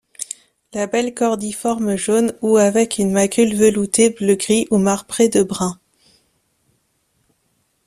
Labelle cordiforme jaune ou avec une macule veloutée bleu-gris ou marbrée de brun.